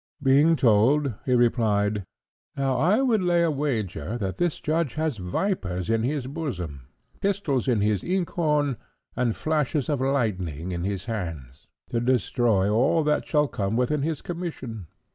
Being told, he replied, "Now, I would lay a wager that this judge has vipers in his bosom, pistols in his inkhorn, and flashes of lightning in his hands, to destroy all that shall come within his commission.